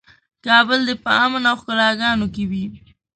کابل دې په امن او ښکلاګانو کې وي.